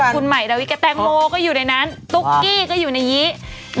เขาสวายาเย็นเขาได้อยู่ท้อง